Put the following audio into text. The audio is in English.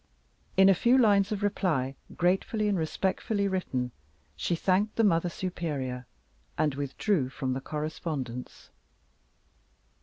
In a few lines of reply, gratefully and respectfully written, she thanked the Mother Superior, and withdrew from the correspondence.